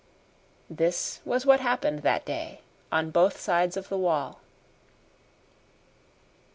This was what happened that day on both sides of the wall.